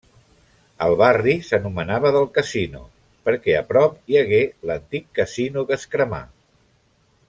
El barri s'anomenava del Casino, perquè a prop hi hagué l'antic Casino que es cremà.